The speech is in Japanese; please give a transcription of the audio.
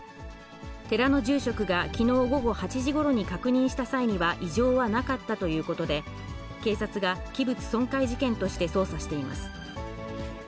寺の住職がきのう午後８時ごろに確認した際には、異常はなかったということで、警察が器物損壊事件として捜査しています。